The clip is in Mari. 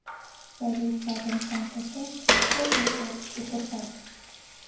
Савий клат омсам почеш, шурным клатышке пуртат.